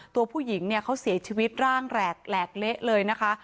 ตัวผู้หญิงเนี่ยเขาเสียชีวิตร่างแหลกแหลกเละเลยนะคะ